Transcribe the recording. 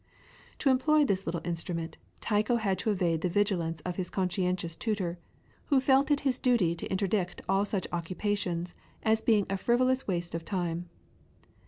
To employ this little instrument Tycho had to evade the vigilance of his conscientious tutor, who felt it his duty to interdict all such occupations as being a frivolous waste of time.